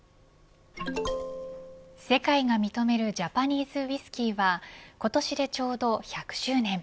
世界が認めるジャパニーズウイスキーは今年でちょうど１００周年。